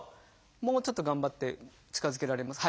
もうちょっと頑張って近づけられます？